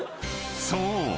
［そう。